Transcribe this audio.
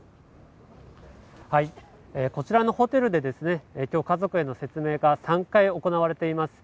こちらのホテルで今日、家族への説明会が３回行われています。